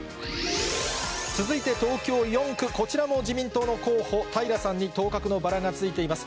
続いて、東京４区、こちらも自民党の候補、平さんに当確のバラがついています。